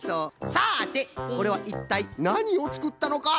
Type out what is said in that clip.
さあでこれはいったいなにをつくったのか？